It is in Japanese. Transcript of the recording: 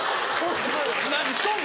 何しとん